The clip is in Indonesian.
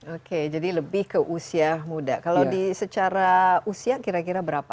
oke jadi lebih ke usia muda kalau secara usia kira kira berapa